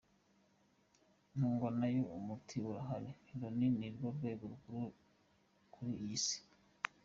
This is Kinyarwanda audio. Ntungwanayo: Umuti urahari…Loni ni rwo rwego rukuru kuri iyi si.